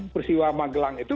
persiwa magelang itu